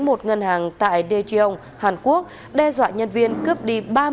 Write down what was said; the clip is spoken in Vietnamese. một ngân hàng tại daejeon hàn quốc đe dọa nhân viên cướp đi